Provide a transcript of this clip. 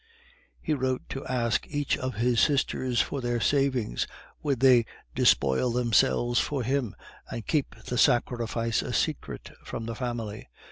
He wrote to ask each of his sisters for their savings would they despoil themselves for him, and keep the sacrifice a secret from the family?